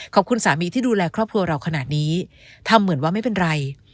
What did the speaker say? ขอบคุณสามีที่ดูแลครอบครัวเราขนาดนี้ทำเหมือนว่าไม่เป็นไร